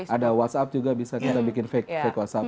ada whatsapp juga bisa kita bikin fake whatsapp